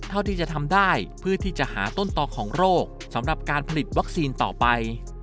เท่าที่จะทำได้เพื่อที่จะหาต้นต่อของโรคสำหรับการผลิตวัคซีนต่อไป